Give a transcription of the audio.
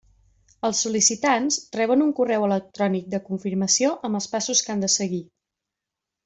Els sol·licitants reben un correu electrònic de confirmació amb els passos que han de seguir.